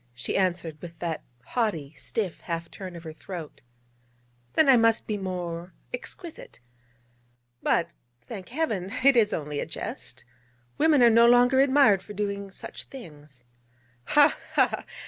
she answered with that haughty, stiff half turn of her throat: 'then I must be more exquisite. But, thank Heaven, it is only a jest. Women are no longer admired for doing such things.' 'Ha! ha!